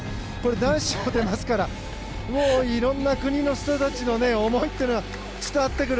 男子もまたやりますからいろんな国の人たちの思いが伝わってくる。